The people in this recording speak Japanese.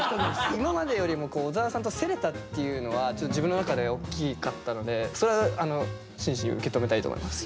今までよりも小沢さんと競れたっていうのはちょっと自分の中で大きかったのでそれは真摯に受け止めたいと思います。